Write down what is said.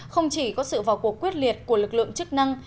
không chỉ có sự vào cuộc quyết liệt của lực lượng chức năng